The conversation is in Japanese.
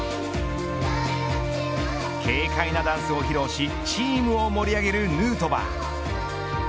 軽快なダンスを披露しチームを盛り上げるヌートバー。